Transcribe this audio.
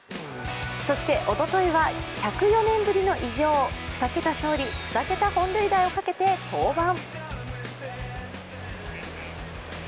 そしておとといは、１０４年ぶりの偉業、２桁勝利２桁本塁打をかけて登板。